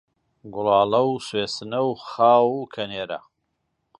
گوڵاڵە و سوێسنە و خاو و کەنێرە